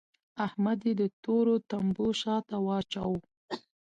احمد يې د تورو تمبو شا ته واچاوو.